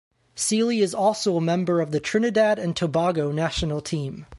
Sealy is also a member of the Trinidad and Tobago national team.